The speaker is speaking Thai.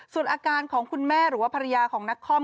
ส่วนอาการของคุณแม่หรือว่าภรรยาของนักคอม